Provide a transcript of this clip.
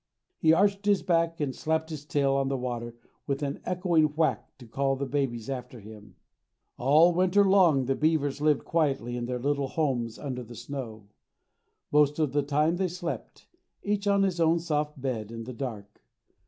He arched his back and slapped his tail on the water with an echoing whack to call the babies after him. All winter long the beavers lived quietly in their little homes under the snow. Most of the time they slept, each on his own soft bed in the dark.